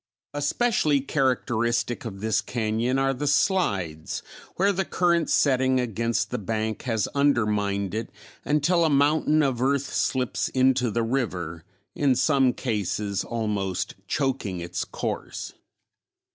Especially characteristic of this cañon are the slides where the current setting against the bank has undermined it until a mountain of earth slips into the river, in some cases almost choking its course.